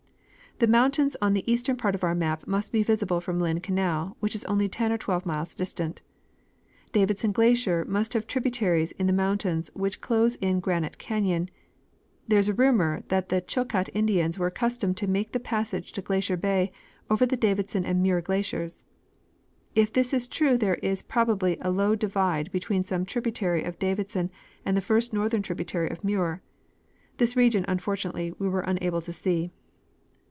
The mountains on the east ern part of our map must be visible from Lynn canal, which is only ten or twelve miles distant. Davidson glacier must have tributaries in the mountains which close in Granite canyon. There is a rumor that the Chilcat Indians were accustomed to make the passage to Glacier bay over the Davidson and Muir glaciers. If this is true there is probably a low divide between some tributary of Davidson and the first northern tributary of Muir. This region, unfortunately, we were unable to see.